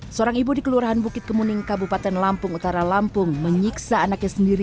seorang ibu di kelurahan bukit kemuning kabupaten lampung utara lampung menyiksa anaknya sendiri